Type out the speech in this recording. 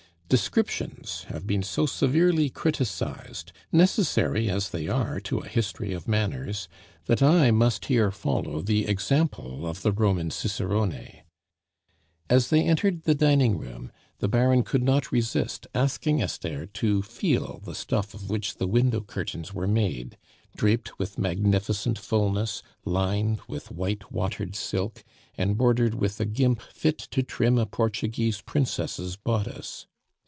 Descriptions have been so severely criticised, necessary as they are to a history of manners, that I must here follow the example of the Roman Cicerone. As they entered the dining room, the Baron could not resist asking Esther to feel the stuff of which the window curtains were made, draped with magnificent fulness, lined with white watered silk, and bordered with a gimp fit to trim a Portuguese princess' bodice.